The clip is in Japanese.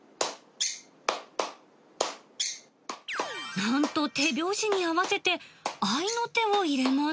なんと手拍子に合わせて、合いの手を入れます。